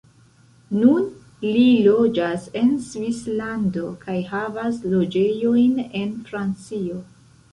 Nun li loĝas en Svislando kaj havas loĝejojn en Francio.